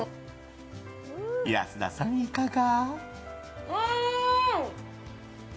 保田さん、いかが？